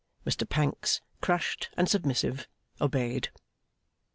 Mr Pancks, crushed and submissive, obeyed.